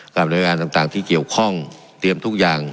หน่วยงานต่างที่เกี่ยวข้องเตรียมทุกอย่าง